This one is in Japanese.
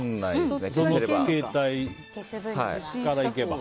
その携帯からいけば。